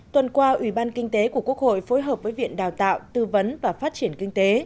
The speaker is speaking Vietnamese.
tuần qua ủy ban kinh tế của quốc hội phối hợp với viện đào tạo tư vấn và phát triển kinh tế